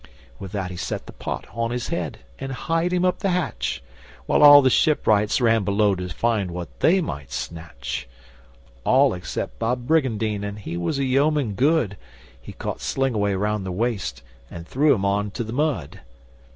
With that he set the pott on his head and hied him up the hatch, While all the shipwrights ran below to find what they might snatch; All except Bob Brygandyne and he was a yeoman good, He caught Slingawai round the waist and threw him on to the mud.